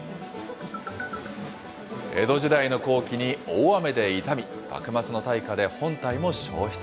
江戸時代の後期に大雨で傷み、幕末の大火で本体も焼失。